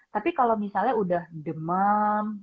tapi kalau misalnya udah demam